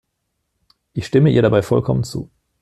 Ich stimme ihr dabei vollkommen zu.